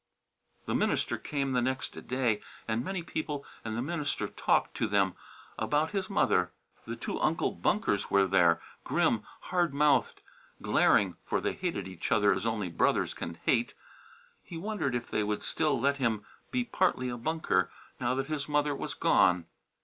The minister came the next day, and many people, and the minister talked to them about his mother. The two Uncle Bunkers were there, grim, hard mouthed, glaring, for they hated each other as only brothers can hate. He wondered if they would still let him be partly a Bunker, now that his mother was gone.